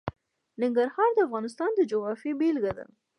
ننګرهار د افغانستان د جغرافیې بېلګه ده.